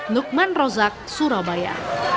nukman rozak surabaya